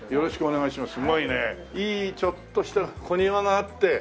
いいちょっとした小庭があって。